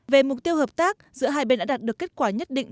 về mục tiêu hợp tác giữa hai bên đã đạt được kết quả nhất định